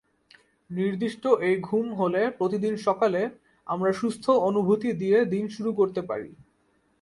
নির্দিষ্ট এই ঘুম হলে প্রতিদিন সকালে আমরা সুস্থ অনুভূতি দিয়ে দিন শুরু করতে পারি।